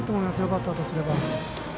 バッターとすれば。